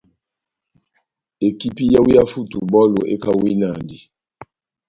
Ekipi yawu yá futubɔlu ekawinandi.